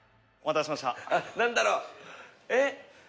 何だろうえっ